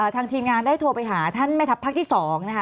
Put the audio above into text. ทางทีมงานได้โทรไปหาท่านแม่ทัพภาคที่๒นะคะ